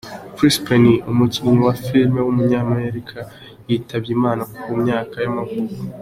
Chris Penn, umukinnyi wa filime w’umunyamerika yitabye Imana ku myaka y’amavuko.